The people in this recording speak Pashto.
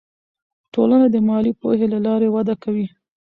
ټولنه د مالي پوهې له لارې وده کوي.